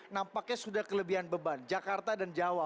nampaknya sudah kelebihan beban jakarta dan jawa